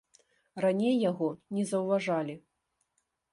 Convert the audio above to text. Раней яго не заўважалі.